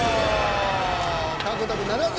獲得ならず！